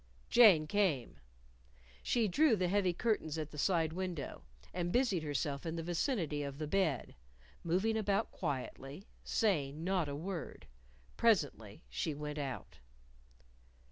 Jane came. She drew the heavy curtains at the side window and busied herself in the vicinity of the bed, moving about quietly, saying not a word. Presently she went out.